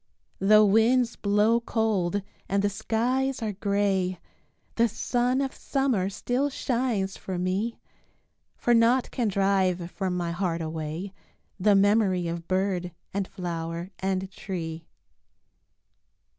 Though winds blow cold and the skies are gray, The sun of summer still shines for me, For naught can drive from my heart away, The memory of bird and flower and tree.